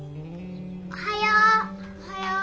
おはよう。